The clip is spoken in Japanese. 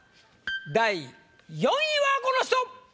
第４位はこの人！